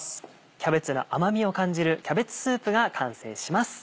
キャベツの甘味を感じるキャベツスープが完成します。